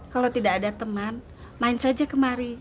kalau tidak ada teman main saja kemari